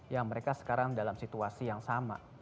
yang mereka sekarang dalam situasi yang sama